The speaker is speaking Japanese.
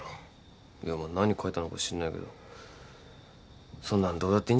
いやまあ何書いたのか知んないけどそんなんどうだっていいんじゃない？